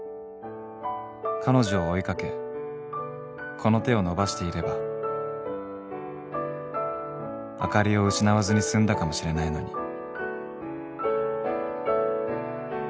［彼女を追い掛けこの手を伸ばしていればあかりを失わずに済んだかもしれないのに］